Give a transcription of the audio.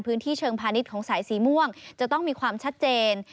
พื้นที่เชิงพาณิชย์ของสายสีม่วงจะต้องมีความชัดเจน